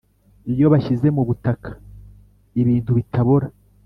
Iyo bashyize mu butaka ibintu bitabora